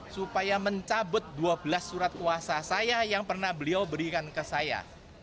supaya mencabut dua belas surat kuasa saya yang pernah beliau berikan ke saya